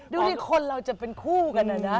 ดูนี่คนเราจะเป็นคู่กันนะ